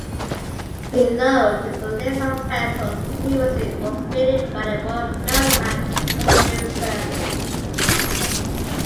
Below is a list of vessels previously operated by the Royal Maritime Auxiliary Service.